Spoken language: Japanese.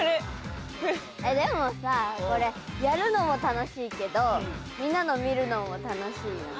でもさこれやるのもたのしいけどみんなのみるのもたのしいよね。